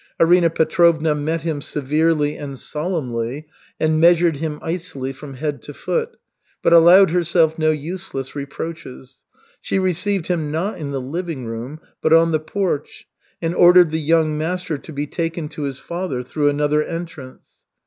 Arina Petrovna met him severely and solemnly, and measured him icily from head to foot, but allowed herself no useless reproaches. She received him, not in the living room, but on the porch, and ordered the young master to be taken to his father through another entrance.